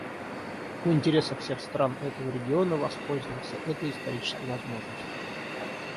В интересах всех стран этого региона воспользоваться этой исторической возможностью.